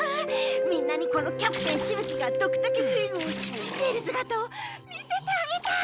みんなにこのキャプテンしぶ鬼がドクタケ水軍を指揮しているすがたを見せてあげたい！